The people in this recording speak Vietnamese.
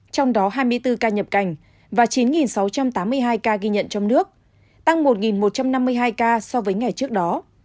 trong đó hai mươi bốn ca nhập cảnh và chín sáu trăm tám mươi hai ca ghi nhận trong nước tăng một một trăm năm mươi hai ca so với ngày trước đó